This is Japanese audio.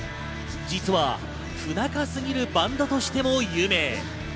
実は不仲すぎるバンドとしても有名。